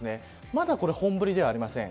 まだ本降りではありません。